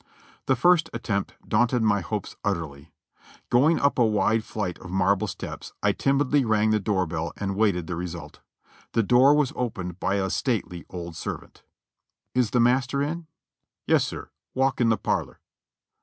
The first attempt daunted my hopes utterly. Going up a wide flight of marble steps I timidly rang the door bell and waited the result. The door was opened by a stately old servant: "Is the master in?" "Yes'r, walk in the parlor."